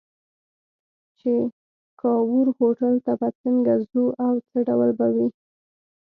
چې کاوور هوټل ته به څنګه ځو او څه ډول به وي.